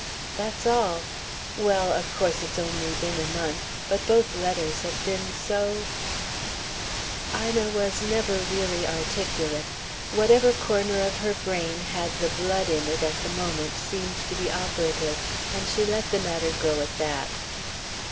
"That's all well, of course it's only been a month. But both letters have been so " Ina was never really articulate. Whatever corner of her brain had the blood in it at the moment seemed to be operative, and she let the matter go at that.